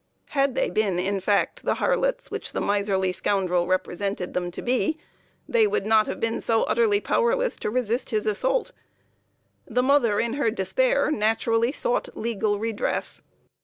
Had they been in fact the harlots which the miserly scoundrel represented them to be, they would not have been so utterly powerless to resist his assault. The mother in her despair naturally sought legal redress.